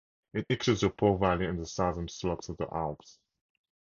It excludes the Po Valley and the southern slopes of the Alps.